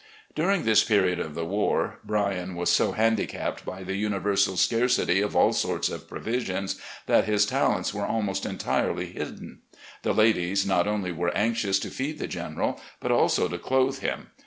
During this period of the war, Bryan was so handicapped by the universal scarcity of all sorts of provisions that his talents were almost entirely hidden. The ladies not only were anxious to feed the General, but also to clothe him.